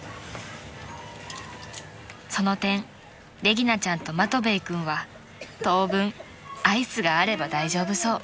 ［その点レギナちゃんとマトヴェイ君は当分アイスがあれば大丈夫そう］